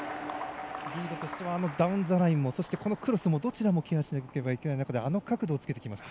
リードとしてはダウンザラインもクロスもどちらもケアしなければならない中であの角度をつけてきました。